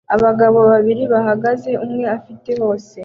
abagabo babiri bahagaze umwe afite hose